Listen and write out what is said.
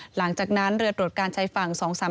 หลังจากนั้นเรือตรวจการชายฝั่ง๒๓๓